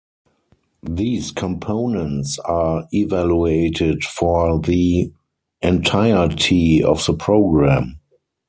These components are evaluated for the entirety of the program.